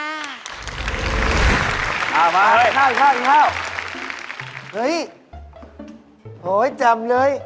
เอามาเลย